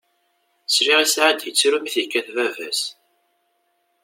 Sliɣ i Saɛid yettru mi t-yekkat baba-s.